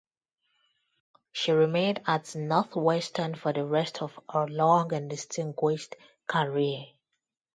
She remained at Northwestern for the rest of her long and distinguished career.